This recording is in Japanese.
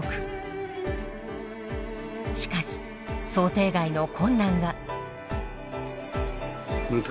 しかし想定外の困難が。